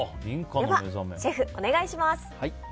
ではシェフ、お願いします。